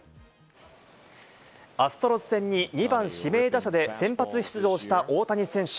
アストロズ戦に２番・指名打者で先発出場した大谷選手。